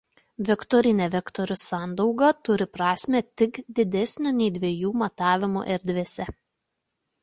Vektorinė vektorių sandauga turi prasmę tik didesnio nei dviejų matavimų erdvėse.